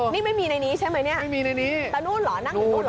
นี่ไม่มีในนี้ใช่ไหมเนี่ยไม่มีในนี้แต่นู่นเหรอนั่งในนู่นเหรอ